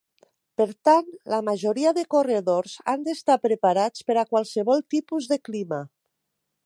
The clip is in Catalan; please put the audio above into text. Per tant, la majoria de corredors han d'estar preparats per a qualsevol tipus de clima.